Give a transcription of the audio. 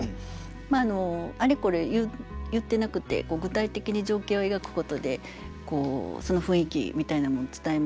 あれこれ言ってなくて具体的に情景を描くことでその雰囲気みたいなのも伝えますし